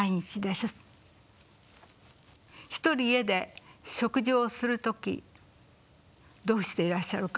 一人家で食事をする時どうしていらっしゃるか。